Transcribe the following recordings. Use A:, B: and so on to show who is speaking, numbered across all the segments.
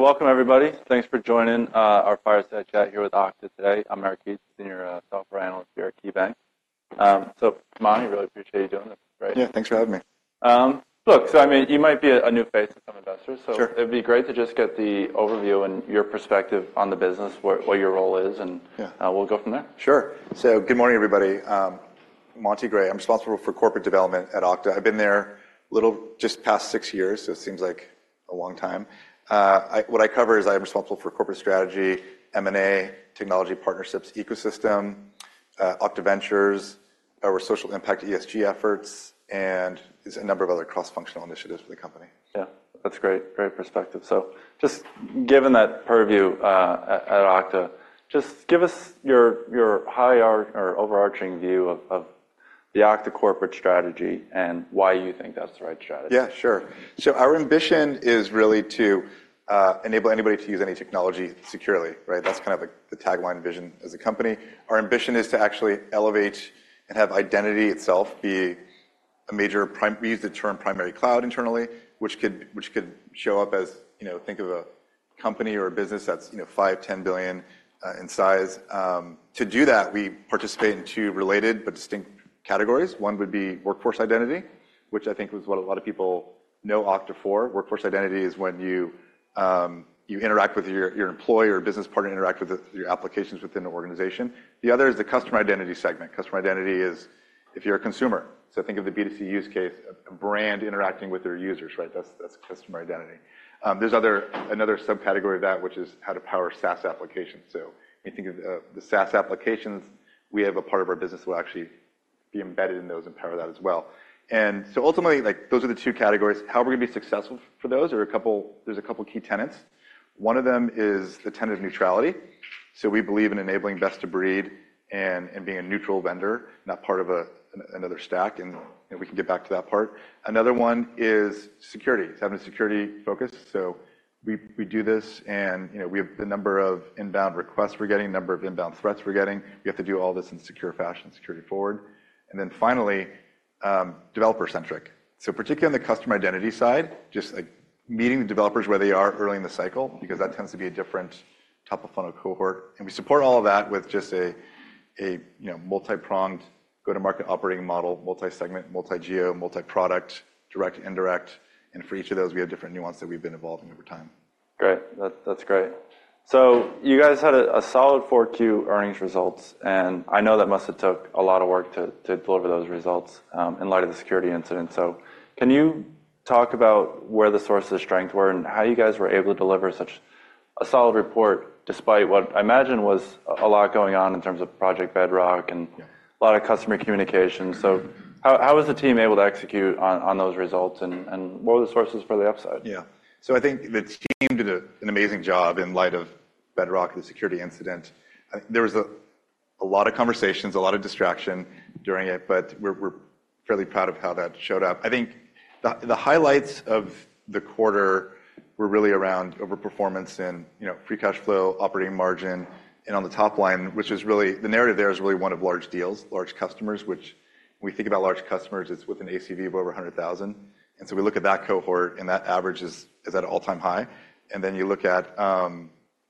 A: Welcome, everybody. Thanks for joining our fireside chat here with Okta today. I'm Eric Heath, Senior Research Analyst here at KeyBank. Come on. I really appreciate you doing this. Great.
B: Yeah. Thanks for having me.
A: Look, so I mean, you might be a new face to some investors.
B: Sure.
A: It'd be great to just get the overview and your perspective on the business, what, what your role is, and.
B: Yeah.
A: We'll go from there.
B: Sure. So good morning, everybody. Monty Gray. I'm responsible for corporate development at Okta. I've been there a little just past six years, so it seems like a long time. What I cover is I'm responsible for corporate strategy, M&A, technology partnerships ecosystem, Okta Ventures, our social impact ESG efforts, and just a number of other cross-functional initiatives for the company.
A: Yeah. That's great. Great perspective. So just given that purview, at Okta, just give us your high-arch or overarching view of the Okta corporate strategy and why you think that's the right strategy.
B: Yeah. Sure. So our ambition is really to enable anybody to use any technology securely, right? That's kind of the tagline vision as a company. Our ambition is to actually elevate and have identity itself be a major prime. We use the term primary cloud internally, which could show up as, you know, think of a company or a business that's $5-$10 billion in size. To do that, we participate in two related but distinct categories. One would be workforce identity, which I think is what a lot of people know Okta for. Workforce identity is when you interact with your employer or business partner, interact with your applications within the organization. The other is the customer identity segment. Customer identity is if you're a consumer. So think of the B2C use case, a brand interacting with their users, right? That's customer identity. There's another subcategory of that, which is how to power SaaS applications. So when you think of the SaaS applications, we have a part of our business that will actually be embedded in those and power that as well. And so ultimately, like, those are the two categories. How we're gonna be successful for those are a couple key tenets. One of them is the tenet of neutrality. So we believe in enabling best-of-breed and being a neutral vendor, not part of another stack. And, you know, we can get back to that part. Another one is security, having a security focus. So we do this, and, you know, we have the number of inbound requests we're getting, number of inbound threats we're getting. We have to do all this in a secure fashion, security-forward. And then finally, developer-centric. So particularly on the customer identity side, just, like, meeting the developers where they are early in the cycle because that tends to be a different top-of-funnel cohort. And we support all of that with just a, you know, multi-pronged go-to-market operating model, multi-segment, multi-GEO, multi-product, direct, indirect. And for each of those, we have different nuance that we've been evolving over time.
A: Great. That's great. So you guys had a solid Q4 earnings results, and I know that must have took a lot of work to deliver those results, in light of the security incident. So can you talk about where the sources of strength were and how you guys were able to deliver such a solid report despite what I imagine was a lot going on in terms of Project Bedrock and.
B: Yeah.
A: A lot of customer communication. So how was the team able to execute on those results, and what were the sources for the upside?
B: Yeah. So I think the team did an amazing job in light of Bedrock and the security incident. I think there was a lot of conversations, a lot of distraction during it, but we're fairly proud of how that showed up. I think the highlights of the quarter were really around overperformance in, you know, free cash flow, operating margin, and on the top line, which is really the narrative there is really one of large deals, large customers, which when we think about large customers, it's with an ACV of over $100,000. And so we look at that cohort, and that average is at an all-time high. And then you look at the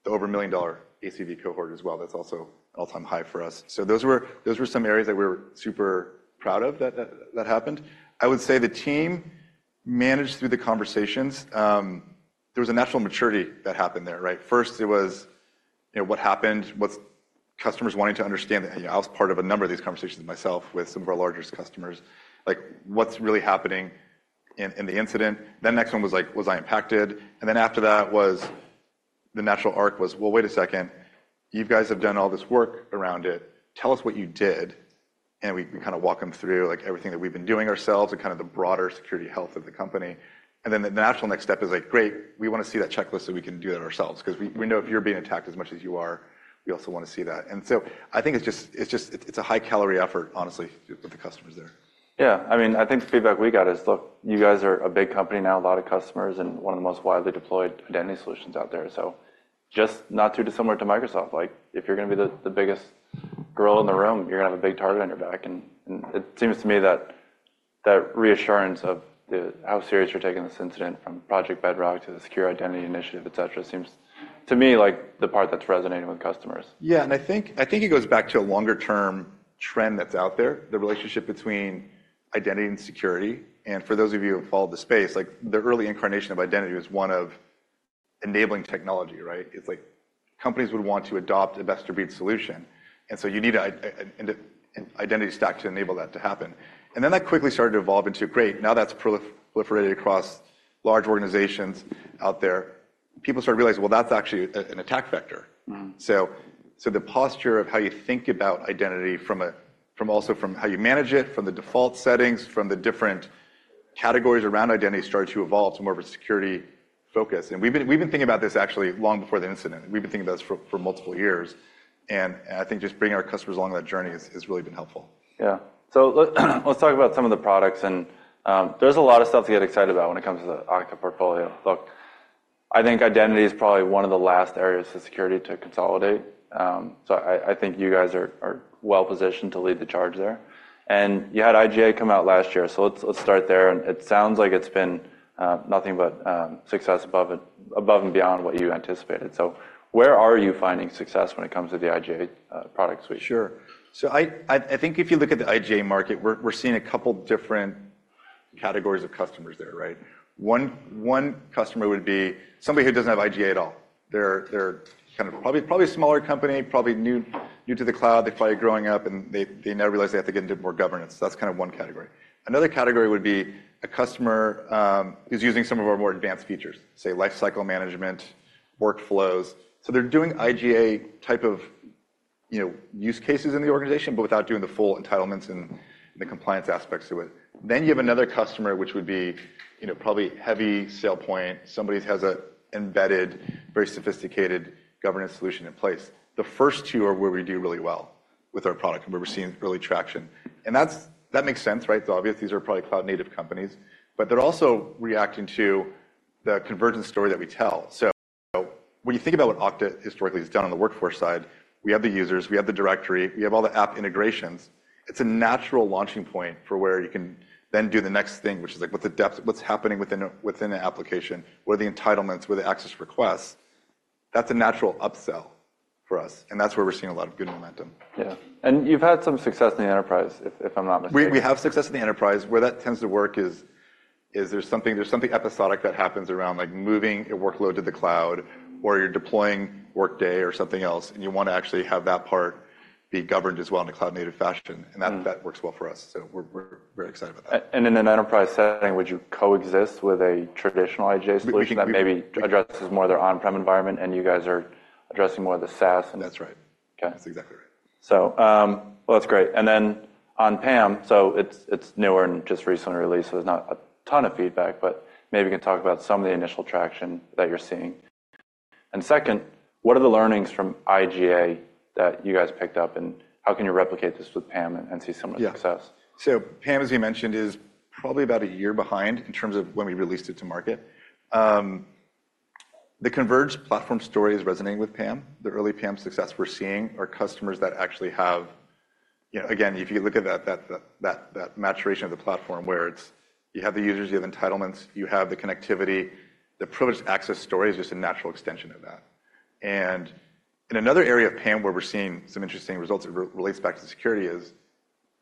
B: over-$1 million ACV cohort as well. That's also an all-time high for us. So those were some areas that we were super proud of that happened. I would say the team managed through the conversations. There was a natural maturity that happened there, right? First, it was, you know, what happened, what's customers wanting to understand. You know, I was part of a number of these conversations myself with some of our largest customers. Like, what's really happening in, in the incident? Then the next one was, like, was I impacted? And then after that was the natural arc was, well, wait a second. You guys have done all this work around it. Tell us what you did. And we, we kinda walk them through, like, everything that we've been doing ourselves and kinda the broader security health of the company. And then the, the natural next step is, like, great. We wanna see that checklist so we can do that ourselves 'cause we, we know if you're being attacked as much as you are, we also wanna see that. And so I think it's just a high-calorie effort, honestly, with the customers there.
A: Yeah. I mean, I think the feedback we got is, look, you guys are a big company now, a lot of customers, and one of the most widely deployed identity solutions out there. So just not too dissimilar to Microsoft. Like, if you're gonna be the biggest gorilla in the room, you're gonna have a big target on your back. And it seems to me that reassurance of the how serious you're taking this incident from Project Bedrock to the Secure Identity Initiative, etc., seems to me like the part that's resonating with customers.
B: Yeah. And I think it goes back to a longer-term trend that's out there, the relationship between identity and security. And for those of you who have followed the space, like, the early incarnation of identity was one of enabling technology, right? It's like companies would want to adopt a best-of-breed solution. And so you need an identity stack to enable that to happen. And then that quickly started to evolve into, great. Now that's proliferated across large organizations out there. People started realizing, well, that's actually an attack vector.
A: Mm-hmm.
B: So the posture of how you think about identity, from also from how you manage it, from the default settings, from the different categories around identity started to evolve to more of a security focus. And we've been thinking about this actually long before the incident. We've been thinking about this for multiple years. And I think just bringing our customers along that journey has really been helpful.
A: Yeah. So let's, let's talk about some of the products. And, there's a lot of stuff to get excited about when it comes to the Okta portfolio. Look, I think identity is probably one of the last areas of security to consolidate. So I, I, I think you guys are, are well-positioned to lead the charge there. And you had IGA come out last year. So let's, let's start there. And it sounds like it's been, nothing but, success above and above and beyond what you anticipated. So where are you finding success when it comes to the IGA, product suite?
B: Sure. So I think if you look at the IGA market, we're seeing a couple different categories of customers there, right? One customer would be somebody who doesn't have IGA at all. They're kind of probably a smaller company, probably new to the cloud. They're probably growing up, and they now realize they have to get into more governance. That's kinda one category. Another category would be a customer who's using some of our more advanced features, say, lifecycle management, workflows. So they're doing IGA type of, you know, use cases in the organization but without doing the full entitlements and the compliance aspects to it. Then you have another customer, which would be, you know, probably heavy SailPoint. Somebody has an embedded, very sophisticated governance solution in place. The first two are where we do really well with our product, and we're seeing early traction. That's what makes sense, right? It's obvious. These are probably cloud-native companies. But they're also reacting to the convergence story that we tell. So when you think about what Okta historically has done on the workforce side, we have the users. We have the directory. We have all the app integrations. It's a natural launching point for where you can then do the next thing, which is, like, what's the depth? What's happening within the application? What are the entitlements? What are the access requests? That's a natural upsell for us. That's where we're seeing a lot of good momentum.
A: Yeah. And you've had some success in the enterprise, if I'm not mistaken.
B: We have success in the enterprise. Where that tends to work is, there's something episodic that happens around, like, moving a workload to the cloud or you're deploying Workday or something else, and you wanna actually have that part be governed as well in a cloud-native fashion. And that works well for us. So we're excited about that.
A: And in an enterprise setting, would you coexist with a traditional IGA solution that maybe addresses more of their on-prem environment, and you guys are addressing more of the SaaS and?
B: That's right.
A: Okay.
B: That's exactly right.
A: So, well, that's great. And then on PAM, so it's newer and just recently released. So there's not a ton of feedback, but maybe you can talk about some of the initial traction that you're seeing. And second, what are the learnings from IGA that you guys picked up, and how can you replicate this with PAM and see similar success?
B: Yeah. So PAM, as you mentioned, is probably about a year behind in terms of when we released it to market. The converged platform story is resonating with PAM. The early PAM success we're seeing are customers that actually have, you know again, if you look at that maturation of the platform where it's you have the users. You have entitlements. You have the connectivity. The privileged access story is just a natural extension of that. And another area of PAM where we're seeing some interesting results that relates back to security is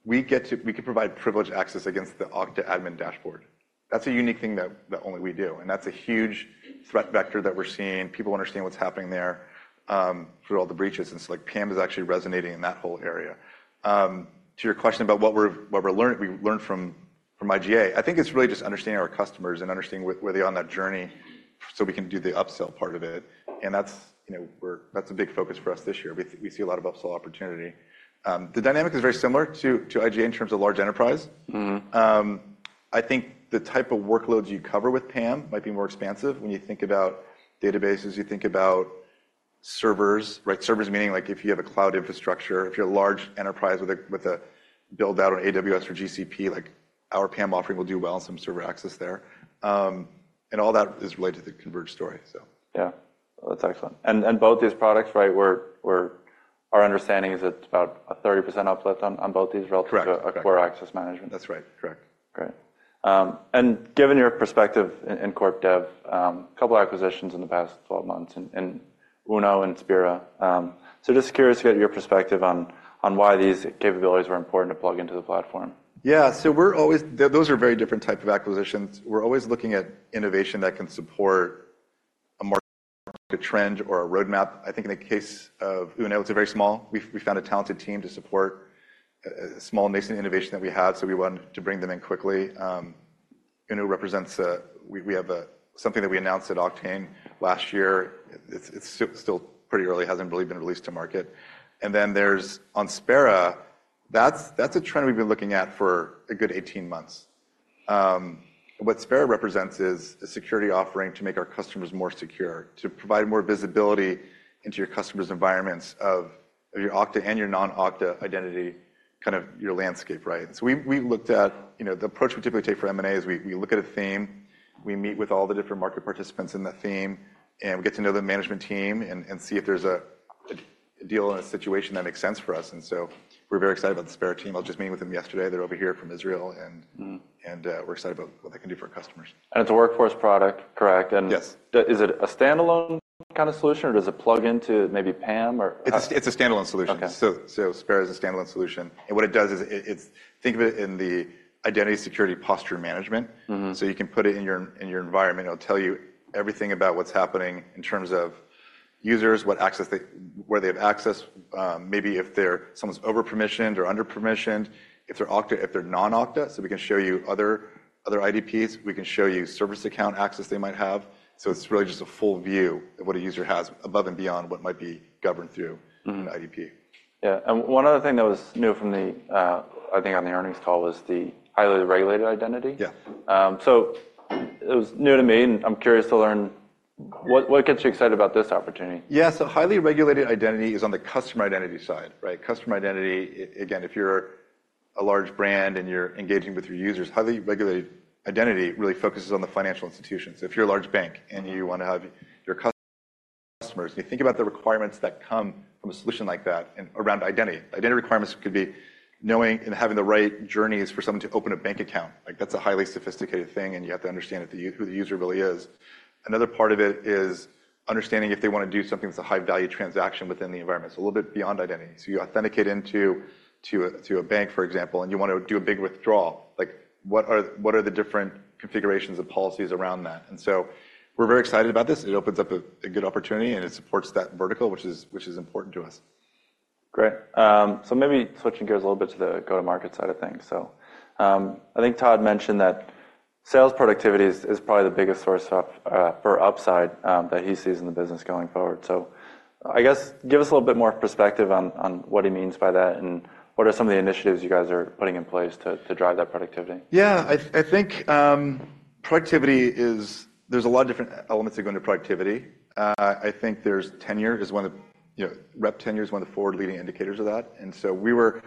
B: we can provide privileged access against the Okta admin dashboard. That's a unique thing that only we do. And that's a huge threat vector that we're seeing. People understand what's happening there, through all the breaches. And so, like, PAM is actually resonating in that whole area. To your question about what we're learning, we learned from IGA. I think it's really just understanding our customers and understanding where they're on that journey so we can do the upsell part of it. And that's, you know, that's a big focus for us this year. We see a lot of upsell opportunity. The dynamic is very similar to IGA in terms of large enterprise.
A: Mm-hmm.
B: I think the type of workloads you cover with PAM might be more expansive. When you think about databases, you think about servers, right? Servers meaning, like, if you have a cloud infrastructure, if you're a large enterprise with a build-out on AWS or GCP, like, our PAM offering will do well in some server access there. And all that is related to the converged story, so.
A: Yeah. Well, that's excellent. And both these products, right, our understanding is it's about a 30% uplift on both these relative to a core access management.
B: Correct. That's right. Correct.
A: Great. Given your perspective in corp dev, a couple acquisitions in the past 12 months in Uno and Spera, so just curious to get your perspective on why these capabilities were important to plug into the platform?
B: Yeah. So, those are very different types of acquisitions. We're always looking at innovation that can support a market trend or a roadmap. I think in the case of Uno, it's very small. We found a talented team to support a small nascent innovation that we have. So we wanted to bring them in quickly. Uno represents. We have something that we announced at Oktane last year. It's still pretty early. It hasn't really been released to market. And then there's Spera. That's a trend we've been looking at for a good 18 months. What Spera represents is a security offering to make our customers more secure, to provide more visibility into your customers' environments of your Okta and your non-Okta identity kind of your landscape, right? We looked at, you know, the approach we typically take for M&A. We look at a theme. We meet with all the different market participants in that theme, and we get to know the management team and see if there's a deal and a situation that makes sense for us. We're very excited about the Spera team. I was just meeting with them yesterday. They're over here from Israel.
A: Mm-hmm.
B: We're excited about what they can do for our customers.
A: It's a workforce product, correct?
B: Yes.
A: Is it a standalone kind of solution, or does it plug into maybe PAM or?
B: It's a standalone solution.
A: Okay.
B: So, Spera is a standalone solution. And what it does is, think of it in the identity security posture management.
A: Mm-hmm.
B: So you can put it in your environment. It'll tell you everything about what's happening in terms of users, what access they, where they have access, maybe if someone's over-permissioned or under-permissioned, if they're Okta, if they're non-Okta. So we can show you other IDPs. We can show you service account access they might have. So it's really just a full view of what a user has above and beyond what might be governed through an IDP.
A: Mm-hmm. Yeah. And one other thing that was new from the, I think, on the earnings call was the Highly Regulated Identity.
B: Yeah.
A: It was new to me, and I'm curious to learn what, what gets you excited about this opportunity?
B: Yeah. So Highly Regulated Identity is on the Customer Identity side, right? Customer Identity again, if you're a large brand and you're engaging with your users, Highly Regulated Identity really focuses on the financial institutions. So if you're a large bank and you wanna have your customers, you think about the requirements that come from a solution like that and around identity. Identity requirements could be knowing and having the right journeys for someone to open a bank account. Like, that's a highly sophisticated thing, and you have to understand who the user really is. Another part of it is understanding if they wanna do something that's a high-value transaction within the environment. So a little bit beyond identity. So you authenticate into a bank, for example, and you wanna do a big withdrawal. Like, what are the different configurations of policies around that? And so we're very excited about this. It opens up a good opportunity, and it supports that vertical, which is important to us.
A: Great. So maybe switching gears a little bit to the go-to-market side of things. So, I think Todd mentioned that sales productivity is, is probably the biggest source of, for upside, that he sees in the business going forward. So I guess give us a little bit more perspective on, on what he means by that and what are some of the initiatives you guys are putting in place to, to drive that productivity.
B: Yeah. I think productivity is—there's a lot of different elements that go into productivity. I think there's tenure is one of the you know, rep tenure is one of the four leading indicators of that. And so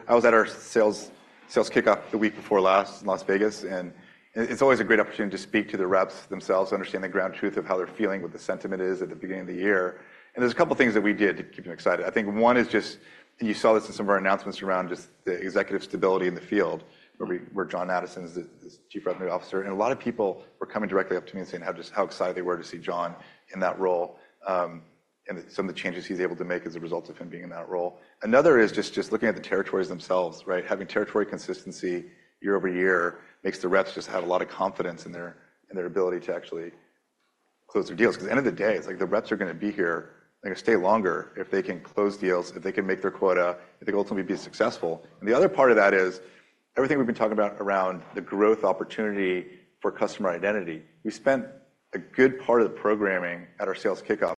B: I was at our sales kickoff the week before last in Las Vegas. And it's always a great opportunity to speak to the reps themselves, understand the ground truth of how they're feeling, what the sentiment is at the beginning of the year. And there's a couple things that we did to keep them excited. I think one is just, and you saw this in some of our announcements around just the executive stability in the field where Jon Addison is the Chief Revenue Officer. And a lot of people were coming directly up to me and saying how just how excited they were to see Jon in that role, and some of the changes he's able to make as a result of him being in that role. Another is just looking at the territories themselves, right? Having territory consistency year-over-year makes the reps just have a lot of confidence in their ability to actually close their deals. 'Cause at the end of the day, it's like the reps are gonna be here. They're gonna stay longer if they can close deals, if they can make their quota, if they can ultimately be successful. And the other part of that is everything we've been talking about around the growth opportunity for customer identity. We spent a good part of the programming at our sales kickoff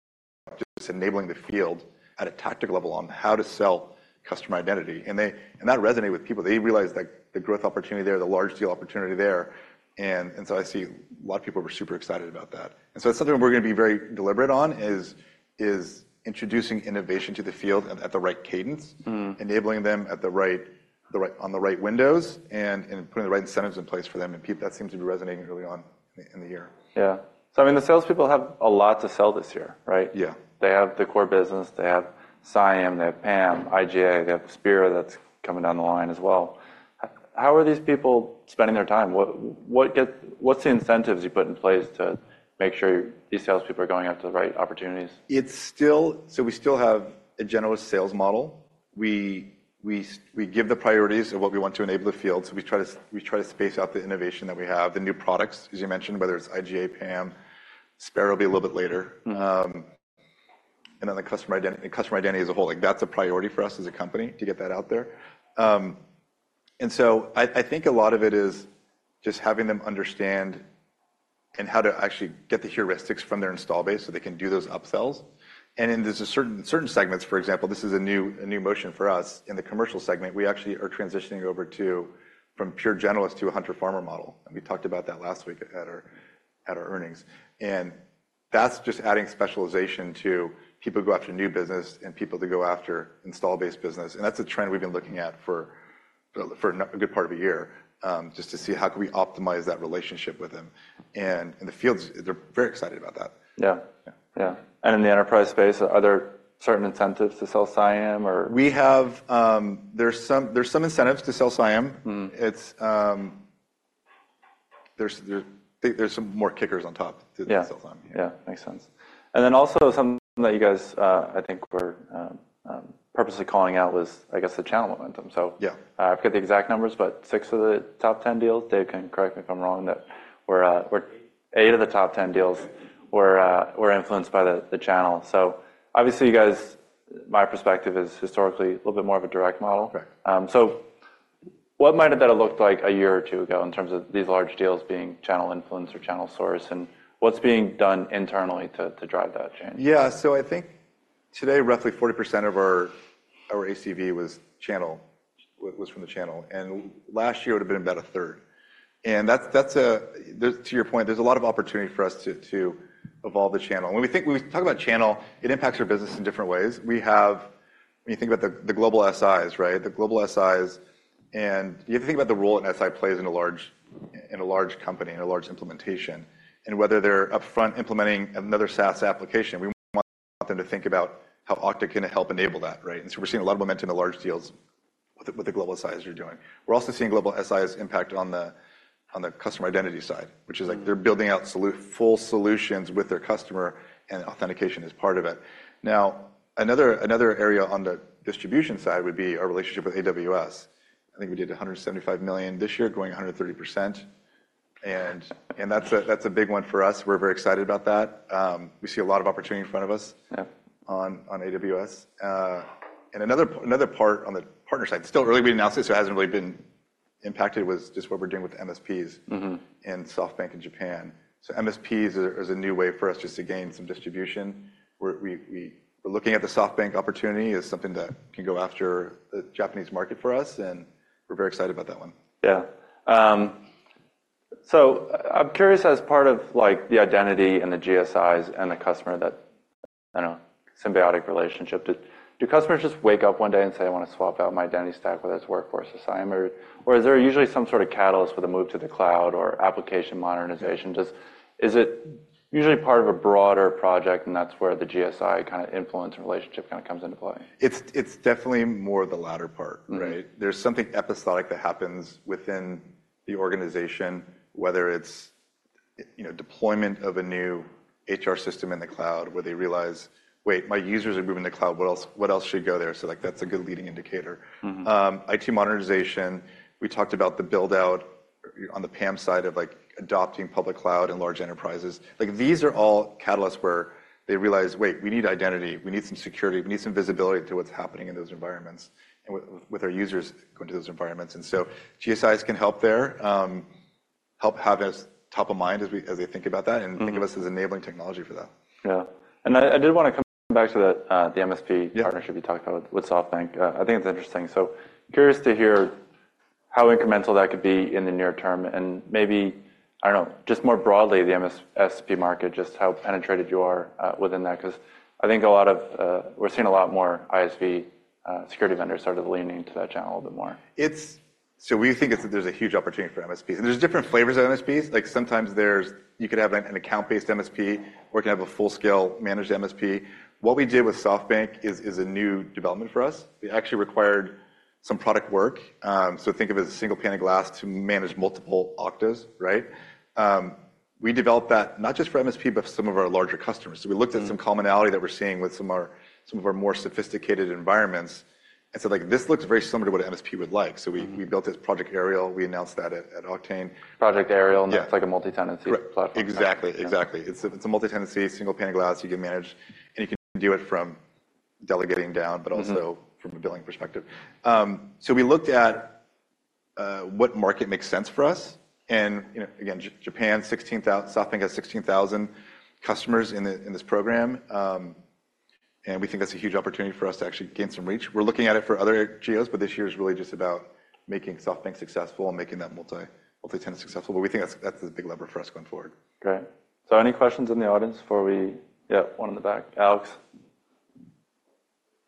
B: just enabling the field at a tactical level on how to sell customer identity. And that resonated with people. They realized that the growth opportunity there, the large deal opportunity there. And so I see a lot of people were super excited about that. And so that's something we're gonna be very deliberate on is introducing innovation to the field at the right cadence.
A: Mm-hmm.
B: Enabling them at the right on the right windows and putting the right incentives in place for them. And that seems to be resonating early on in the year.
A: Yeah. So, I mean, the salespeople have a lot to sell this year, right?
B: Yeah.
A: They have the core business. They have CIAM. They have PAM, IGA. They have Spera that's coming down the line as well. How are these people spending their time? What's the incentives you put in place to make sure these salespeople are going out to the right opportunities?
B: It's still so we still have a generalist sales model. We give the priorities of what we want to enable the field. So we try to space out the innovation that we have, the new products, as you mentioned, whether it's IGA, PAM. Spera will be a little bit later.
A: Mm-hmm.
B: And then the customer identity, the customer identity as a whole. Like, that's a priority for us as a company to get that out there. So I think a lot of it is just having them understand and how to actually get the heuristics from their install base so they can do those upsells. In there's a certain segments. For example, this is a new motion for us in the commercial segment. We actually are transitioning over to from pure generalist to a Hunter-Farmer Model. We talked about that last week at our earnings. That's just adding specialization to people who go after new business and people that go after install-based business. That's a trend we've been looking at for a good part of a year, just to see how can we optimize that relationship with them. The fields they're very excited about that.
A: Yeah. Yeah. And in the enterprise space, are there certain incentives to sell CIAM, or?
B: We have, there's some incentives to sell CIAM.
A: Mm-hmm.
B: I think there's some more kickers on top to sell CIAM.
A: Yeah. Yeah. Makes sense. And then also something that you guys, I think were purposely calling out was, I guess, the channel momentum. So.
B: Yeah.
A: I forget the exact numbers, but six of the top 10 deals—Dave can correct me if I'm wrong—that were.
B: Eight.
A: Eight of the top 10 deals were influenced by the channel. So obviously, you guys, my perspective is historically a little bit more of a direct model.
B: Correct.
A: What might that have looked like a year or two ago in terms of these large deals being channel influence or channel source? And what's being done internally to drive that change?
B: Yeah. So I think today, roughly 40% of our ACV was channel was from the channel. And last year, it would have been about a third. And that's, that's there to your point, there's a lot of opportunity for us to evolve the channel. And when we think when we talk about channel, it impacts our business in different ways. We have when you think about the global SIs, right? The global SIs and you have to think about the role an SI plays in a large company, in a large implementation, and whether they're upfront implementing another SaaS application. We want them to think about how Okta can help enable that, right? And so we're seeing a lot of momentum in the large deals with the global SIs you're doing. We're also seeing global SIs impact on the customer identity side, which is like.
A: Mm-hmm.
B: They're building out full solutions with their customer, and authentication is part of it. Now, another area on the distribution side would be our relationship with AWS. I think we did $175 million this year, going 130%. That's a big one for us. We're very excited about that. We see a lot of opportunity in front of us.
A: Yeah.
B: On AWS. And another part on the partner side. It's still early. We didn't announce it, so it hasn't really been impacted. Was just what we're doing with MSPs.
A: Mm-hmm.
B: In SoftBank in Japan. So MSPs is a new way for us just to gain some distribution. We're looking at the SoftBank opportunity as something that can go after the Japanese market for us. And we're very excited about that one.
A: Yeah. So I'm curious as part of, like, the identity and the GSIs and the customer that I don't know, symbiotic relationship, do customers just wake up one day and say, "I wanna swap out my identity stack, whether it's workforce or CIAM," or is there usually some sort of catalyst with a move to the cloud or application modernization? Just is it usually part of a broader project, and that's where the GSI kind of influence and relationship kind of comes into play?
B: It's, it's definitely more the latter part, right?
A: Mm-hmm.
B: There's something episodic that happens within the organization, whether it's, you know, deployment of a new HR system in the cloud where they realize, "Wait, my users are moving to the cloud. What else what else should go there?" So, like, that's a good leading indicator.
A: Mm-hmm.
B: IT modernization. We talked about the build-out on the PAM side of, like, adopting public cloud in large enterprises. Like, these are all catalysts where they realize, "Wait, we need identity. We need some security. We need some visibility to what's happening in those environments and with, with our users going to those environments." And so GSIs can help there, help have us top of mind as we as they think about that and think of us as enabling technology for that.
A: Yeah. And I did wanna come back to that, the MSP.
B: Yeah.
A: Partnership you talked about with SoftBank. I think it's interesting. So curious to hear how incremental that could be in the near term. And maybe, I don't know, just more broadly, the MSSP market, just how penetrated you are within that. 'Cause I think a lot of, we're seeing a lot more ISV security vendors started leaning to that channel a little bit more.
B: So we think there's a huge opportunity for MSPs. There's different flavors of MSPs. Like, sometimes you could have an account-based MSP, or you could have a full-scale managed MSP. What we did with SoftBank is a new development for us. It actually required some product work. So think of it as a single pane of glass to manage multiple Okta instances, right? We developed that not just for MSPs, but for some of our larger customers. So we looked at some commonality that we're seeing with some of our more sophisticated environments. And so, like, this looks very similar to what an MSP would like. So we built this Project Aerial. We announced that at Oktane.
A: Project Ariel.
B: Yeah.
A: It's like a multi-tenancy.
B: Correct.
A: Platform.
B: Exactly. Exactly. It's a multi-tenancy, single pane of glass. You can manage and you can do it from delegating down, but also.
A: Mm-hmm.
B: From a billing perspective. So we looked at what market makes sense for us. And, you know, again, Japan. SoftBank has 16,000 customers in this program. And we think that's a huge opportunity for us to actually gain some reach. We're looking at it for other GSIs, but this year is really just about making SoftBank successful and making that multi-tenant successful. But we think that's a big lever for us going forward.
A: Great. So any questions in the audience before we yeah, one in the back. Alex?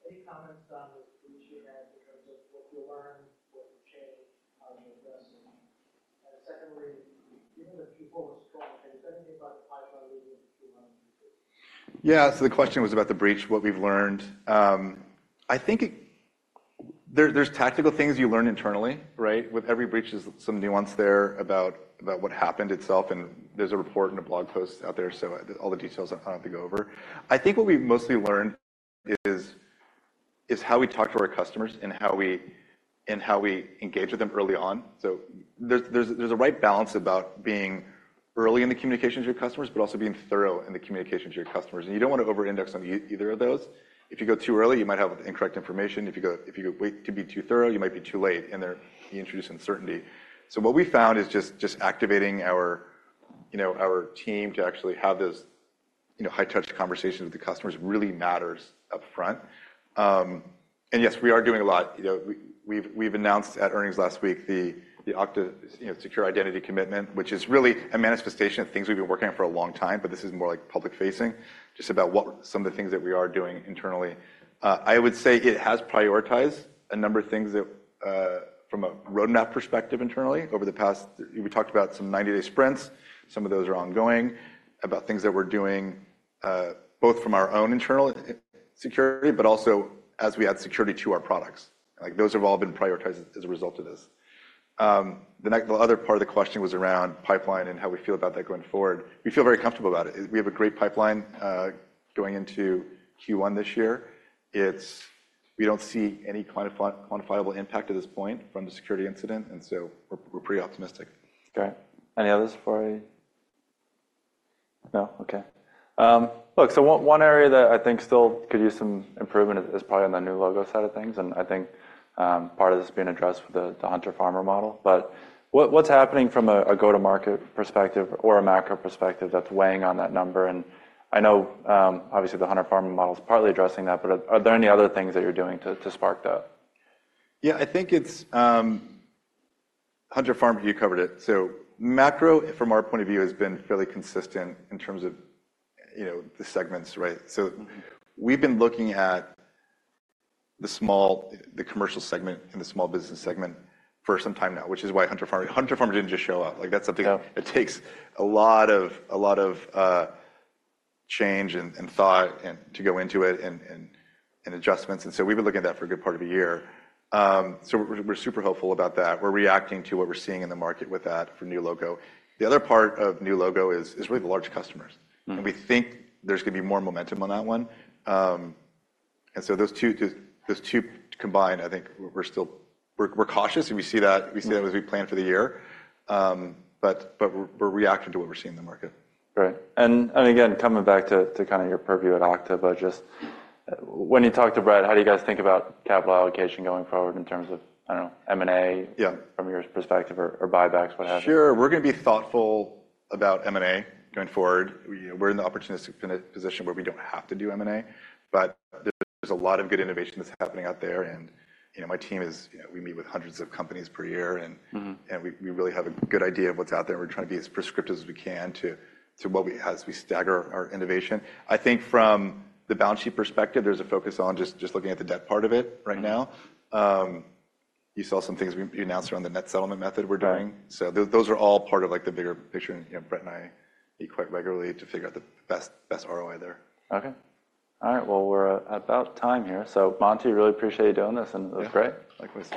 C: Any comments on the solution you had in terms of what you learned, what you changed, how you addressed it? And secondly, given that you're almost strong, is there anything about the Python leading to 200 breaches?
B: Yeah. So the question was about the breach, what we've learned. I think there's tactical things you learn internally, right? With every breach, there's some nuance there about what happened itself. And there's a report and a blog post out there, so all the details I don't have to go over. I think what we've mostly learned is how we talk to our customers and how we engage with them early on. So there's a right balance about being early in the communication to your customers, but also being thorough in the communication to your customers. And you don't wanna over-index on either of those. If you go too early, you might have incorrect information. If you wait to be too thorough, you might be too late. And there you introduce uncertainty. So what we found is just activating our, you know, our team to actually have those, you know, high-touch conversations with the customers really matters upfront. And yes, we are doing a lot. You know, we've announced at earnings last week the Okta Secure Identity Commitment, which is really a manifestation of things we've been working on for a long time, but this is more like public-facing, just about what some of the things that we are doing internally. I would say it has prioritized a number of things that, from a roadmap perspective internally over the past we talked about some 90-day sprints. Some of those are ongoing about things that we're doing, both from our own internal security, but also as we add security to our products. Like, those have all been prioritized as a result of this. The other part of the question was around pipeline and how we feel about that going forward. We feel very comfortable about it. We have a great pipeline, going into Q1 this year. It's we don't see any quantifiable impact at this point from the security incident. And so we're pretty optimistic.
A: Great. Any others before I go? Okay. Look, so one area that I think still could use some improvement is probably on the new logo side of things. And I think part of this is being addressed with the Hunter-Farmer Model. But what's happening from a go-to-market perspective or a macro perspective that's weighing on that number? And I know, obviously, the Hunter-Farmer Model's partly addressing that. But are there any other things that you're doing to spark that?
B: Yeah. I think it's Hunter-Farmer. You covered it. So macro, from our point of view, has been fairly consistent in terms of, you know, the segments, right?
A: Mm-hmm.
B: So we've been looking at the small commercial segment and the small business segment for some time now, which is why Hunter-Farmer didn't just show up. Like, that's something.
A: Yeah.
B: That takes a lot of change and adjustments. And so we've been looking at that for a good part of a year. So we're super hopeful about that. We're reacting to what we're seeing in the market with that for new logo. The other part of new logo is really the large customers.
A: Mm-hmm.
B: We think there's gonna be more momentum on that one. So those two combined, I think, we're still cautious. We see that as we plan for the year. But we're reacting to what we're seeing in the market.
A: Great. And again, coming back to kind of your purview at Okta, but just when you talk to Brett, how do you guys think about capital allocation going forward in terms of, I don't know, M&A?
B: Yeah.
A: From your perspective or buybacks, what have you?
B: Sure. We're gonna be thoughtful about M&A going forward. You know, we're in the opportunistic position where we don't have to do M&A. But there's a lot of good innovation that's happening out there. And, you know, my team is, you know, we meet with hundreds of companies per year. And.
A: Mm-hmm.
B: We really have a good idea of what's out there. We're trying to be as prescriptive as we can to what we as we stagger our innovation. I think from the balance sheet perspective, there's a focus on just looking at the debt part of it right now.
A: Mm-hmm.
B: You saw some things we announced around the net settlement method we're doing.
A: Great.
B: So those are all part of, like, the bigger picture. And, you know, Brett and I meet quite regularly to figure out the best ROI there.
A: Okay. All right. Well, we're about time here. So, Monty, really appreciate you doing this. And it was great.
B: Yeah. Likewise.